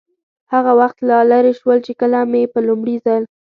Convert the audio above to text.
هغه وخت لا لرې شول، چې کله مې په لومړي ځل.